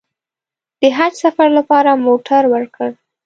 د حج سفر لپاره موټر ورکړ.